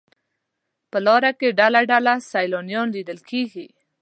په لاره کې ډله ډله سیلانیان لیدل کېږي.